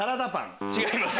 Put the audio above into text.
違います。